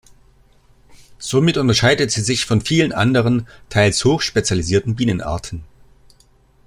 Somit unterscheidet sie sich von vielen anderen, teils hoch spezialisierten Bienenarten.